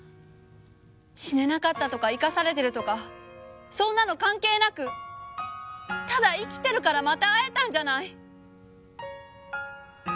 死ねなかったとか生かされてるとかそんなの関係なくただ生きてるからまた会えたんじゃない！